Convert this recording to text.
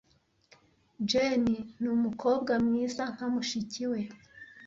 Jane ni umukobwa mwiza nka mushiki we.